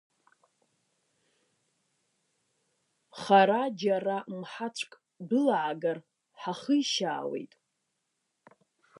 Хара џьара мҳаҵәк дәылаагар ҳахишьаауеит…